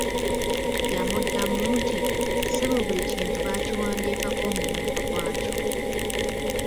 Yamuddamu nti "ssebo buli kintu baakiwandiikako omuwendo gwakyo!"